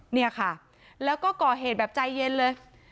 เนี่ยค่ะแล้วก็ก่อเหตุแบบใจเย็นเลย